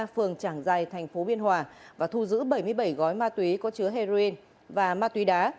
phường trảng giài thành phố biên hòa và thu giữ bảy mươi bảy gói ma túy có chứa heroin và ma túy đá